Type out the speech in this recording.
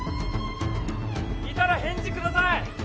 いたら返事ください